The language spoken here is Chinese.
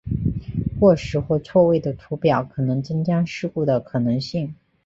过时或错位的图表可能增加事故的可能性。